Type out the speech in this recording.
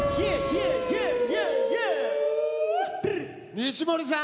西森さん